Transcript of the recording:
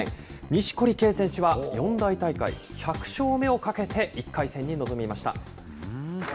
錦織圭選手は、四大大会１００勝目をかけて、１回戦に臨みました。